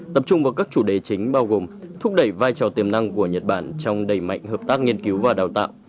tập trung vào các chủ đề chính bao gồm thúc đẩy vai trò tiềm năng của nhật bản trong đầy mạnh hợp tác nghiên cứu và đào tạo